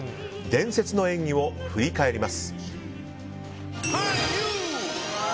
伝説の演技を振り返ります。